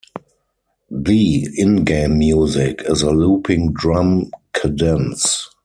The in-game music is a looping drum cadence.